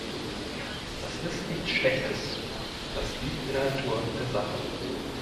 Das ist nichts schlechtes, das liegt in der Natur der Sache.